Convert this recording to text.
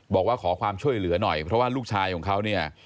บอกว่าขอความช่วยเหลือหน่อยเพราะว่าลูกชายของเขาเนี่ย